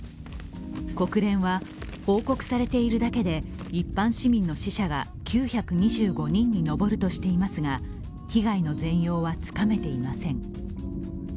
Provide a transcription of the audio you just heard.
国連は、報告されているだけで一般市民の死者が９２５人にのぼるとしていますが被害の全容はつかめていません。